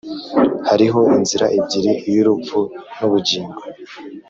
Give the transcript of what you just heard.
Hariho inzira ebyiri iy’urupfu n’ubugingo